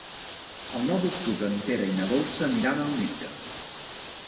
El nou d'octubre en Pere i na Dolça aniran al metge.